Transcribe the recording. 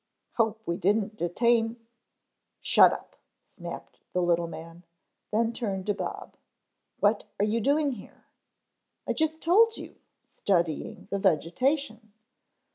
"Hope we didn't detain " "Shut up," snapped the little man, then turned to Bob. "What you doing here?" "I just told you, studying the vegetation."